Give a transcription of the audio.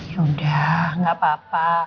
yaudah nggak apa apa